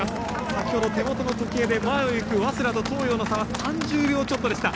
先ほど手元の時計で前を行く早稲田と東洋の差は３０秒ちょっとでした。